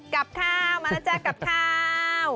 กับข้าวมานะจ๊ะกับข้าว